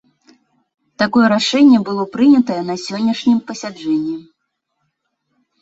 Такое рашэнне было прынятае на сённяшнім пасяджэнні.